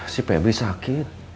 si pebri sakit